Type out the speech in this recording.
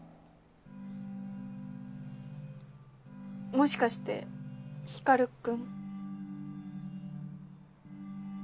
もしかして光君？